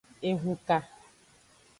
Ehunka.